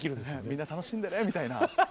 「みんな楽しんでね」みたいな。